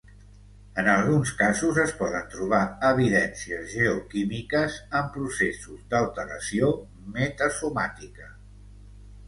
En alguns casos, es poden trobar evidències geoquímiques en processos d'alteració metasomàtica.